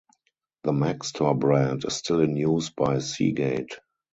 The Maxtor brand is still in use by Seagate.